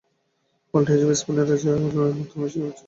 পাল্টা হিসেবে স্পেনের রেজর নেওয়া মাত্র মেসি চলে গেলেন টেনিস কোর্টে।